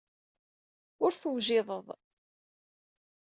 Ur tewjideḍ.